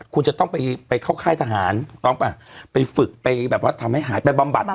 คุณจะต้องไปไปเข้าค่ายทหารต้องป่ะไปฝึกไปแบบว่าทำให้หายไปบำบัดอ่ะ